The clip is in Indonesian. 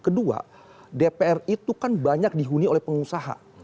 kedua dpr itu kan banyak dihuni oleh pengusaha